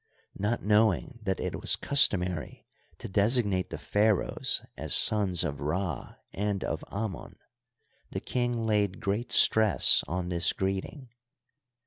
Not knowing that it was customary to designate the pharaohs as sons of Rsl and of Amon, the king laid great stress on this greeting.